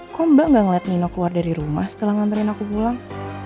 kok mbak gak ngeliat nino keluar dari rumah setelah ngamperin aku pulang